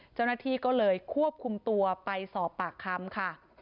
เจ้าหน้าที่ก็เลยควบคุมตัวไปสอบปากคำค่ะ